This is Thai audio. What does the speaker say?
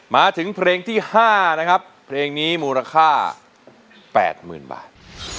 มาถึงเพลงที่๕นะครับเพลงนี้มูลค่า๘๐๐๐บาท